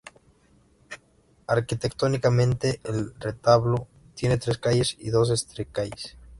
Arquitectónicamente, el retablo tiene tres calles y dos entrecalles.